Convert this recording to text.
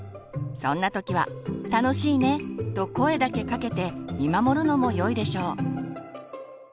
そんな時は「楽しいね」と声だけかけて見守るのもよいでしょう。